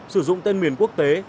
sử dụng tên miền quốc tế